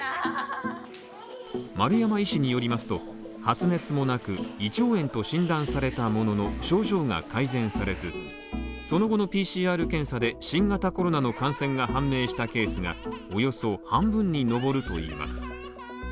丸山医師によりますと、発熱もなく胃腸炎と診断されたものの症状が改善されずその後のＰＣＲ検査で新型コロナの感染が判明したケースがおよそ半分に上るといいます。